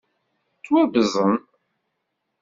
Ttwabẓen.